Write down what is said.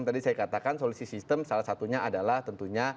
tadi saya katakan solusi sistem salah satunya adalah tentunya